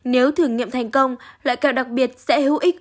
nếu thử nghiệm thành công loại kẹo đặc biệt sẽ hữu ích